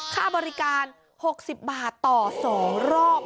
ค่าบริการ๖๐บาทต่อ๒รอบ